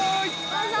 万歳！